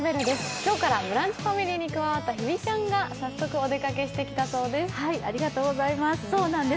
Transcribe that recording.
今日からブランチファミリーに加わった日比ちゃんが早速お出かけしてきたそうです。